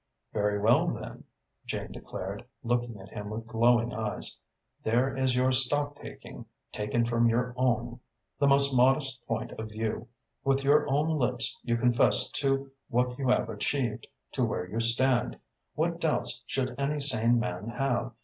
"Very well, then," Jane declared, looking at him with glowing eyes, "there is your stocktaking, taken from your own, the most modest point of view. With your own lips you confess to what you have achieved, to where you stand. What doubts should any sane man have?